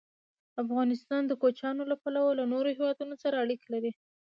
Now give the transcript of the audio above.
افغانستان د کوچیانو له پلوه له نورو هېوادونو سره اړیکې لري.